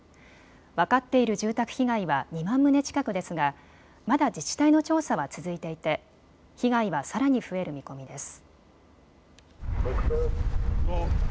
分かっている住宅被害は２万棟近くですがまだ自治体の調査は続いていて被害はさらに増える見込みです。